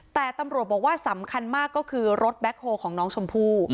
แต่ตำรวจบอกว่าสำคัญมากก็คือรถแบ็คโฮลของน้องชมพู่